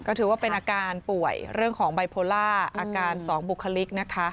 ก็ถือว่าเป็นอาการป่วยเรื่องของไบโพล่าอาการสองบุคลิกนะคะ